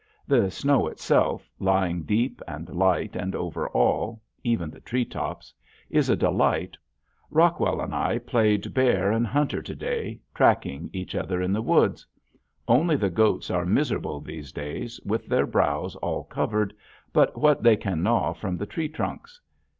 The snow itself, lying deep and light and over all even the tree tops is a delight. Rockwell and I played bear and hunter to day tracking each other in the woods. Only the goats are miserable these days with their browse all covered but what they can gnaw from the tree trunks.